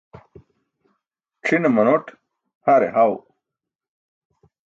C̣ʰine manoṭ, hare haw.